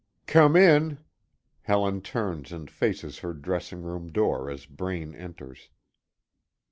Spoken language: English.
"Come in," Helen turns and faces her dressing room door as Braine enters.